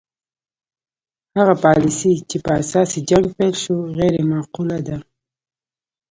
هغه پالیسي چې په اساس یې جنګ پیل شو غیر معقوله ده.